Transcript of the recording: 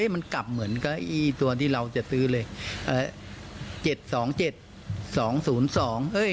มันกลับเหมือนกับตัวที่เราจะซื้อเลย